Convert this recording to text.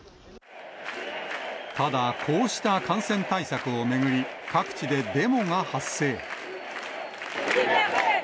ただ、こうした感染対策を巡り、各地でデモが発生。